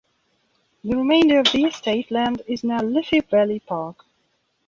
The remainder of the estate land is now Liffey Valley Park.